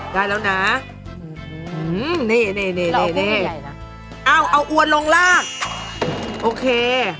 ได้แล้วครับอืมนี่นะเอาอัวนลงลากโอเค